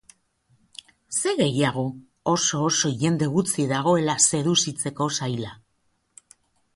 Zer gehiago? Oso-oso jende gutxi dagoela seduzitzeko zaila.